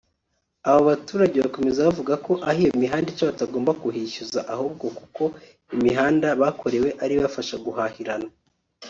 Aba baturage bakomeza bavuga ko aho iyi mihanda ica batogomba kuhishyuza ahubwo kuko imihanda bakorewe ari ibafasha guhahirana